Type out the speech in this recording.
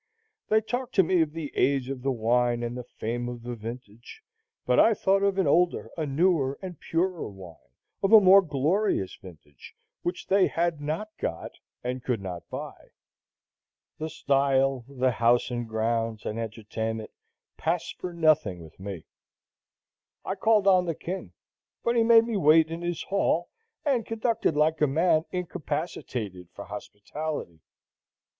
They talked to me of the age of the wine and the fame of the vintage; but I thought of an older, a newer, and purer wine, of a more glorious vintage, which they had not got, and could not buy. The style, the house and grounds and "entertainment" pass for nothing with me. I called on the king, but he made me wait in his hall, and conducted like a man incapacitated for hospitality.